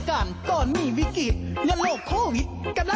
อ่าซอยไหนนะ